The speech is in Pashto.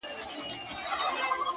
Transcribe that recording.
مه وايه دا چي اور وړي خوله كي ـ